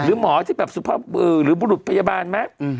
หรือหมอที่แบบสุภาพหรือบุรุษพยาบาลไหม